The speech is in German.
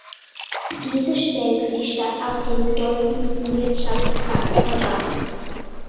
Diese stellt für die Stadt auch den bedeutendsten Wirtschaftsfaktor dar.